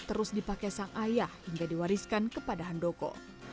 terus dipakai sang ayah hingga diwariskan kepada handoko